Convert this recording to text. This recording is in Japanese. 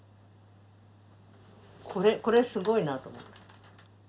これすごいなと思って。